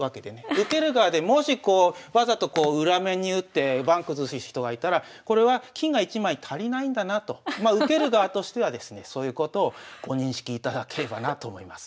受ける側でもしこうわざとこう裏面に打って盤崩す人がいたらこれは金が１枚足りないんだなと受ける側としてはですねそういうことをご認識いただければなと思います。